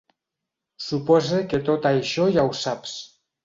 Supose que tot això ja ho saps.